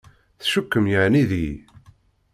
Tcukkem yeɛni deg-i?